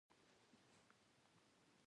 هغه د ژورو تجربو او مشاهدو چلن دی.